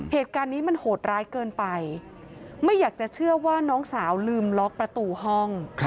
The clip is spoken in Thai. เหตุการณ์นี้มันโหดร้ายเกินไปไม่อยากจะเชื่อว่าน้องสาวลืมล็อกประตูห้อง